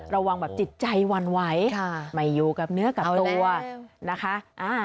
ระวังแบบจิตใจหวั่นไหวไม่อยู่กับเนื้อกับตัวนะคะ